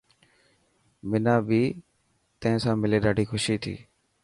منان بي تين ساملي ڏاڍي خوشي ٿي.